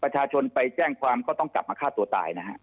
ประชาชนไปแจ้งความก็ต้องกลับมาฆ่าตัวตายนะฮะ